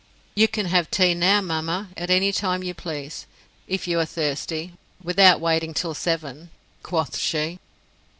"You can have tea now, mamma, at any time you please, if you are thirsty, without waiting till seven," quoth she.